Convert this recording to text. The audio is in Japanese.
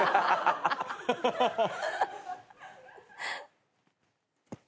ハハハハッ。